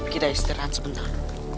kita istirahat sebentar